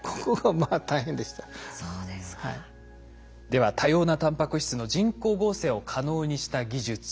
では多様なタンパク質の人工合成を可能にした技術。